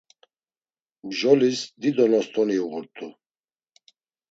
Mjolis dido nostoni uğurt̆u.